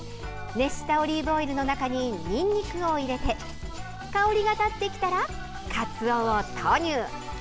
熱したオリーブオイルの中ににんにくを入れて香りが立ってきたらかつおを投入。